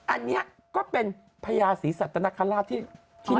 อันนี้ก็เป็นพญาศรีสัตนคราชที่คิด